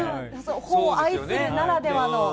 本を愛する方ならではの。